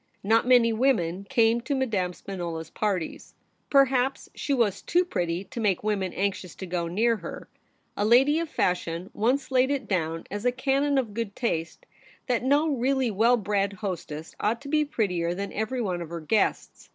Not many women came to Madame Spinola's parties. Perhaps she was too pretty to make women anxious to go near her. A lady of fashion once laid it down as a canon of good taste I04 THE REBEL ROSE. that no really well bred hostess ought to be prettier than every one of her guests.